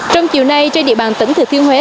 trong chiều nay trên địa bàn tỉnh thừa thiên huế